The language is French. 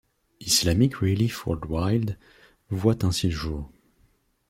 Islamic Relief Worldwide voit ainsi le jour.